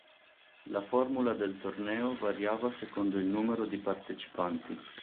La formula del torneo variava secondo il numero di partecipanti.